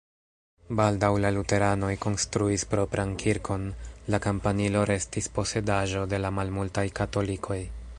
Baldaŭ la luteranoj konstruis propran kirkon, la kampanilo restis posedaĵo de la malmultaj katolikoj.